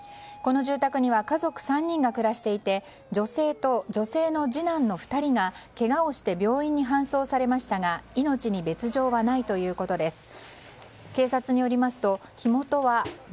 この住宅には家族３人が暮らしていて女性と、女性の次男の２人がけがをして病院に搬送されましたが命に別条はないということです。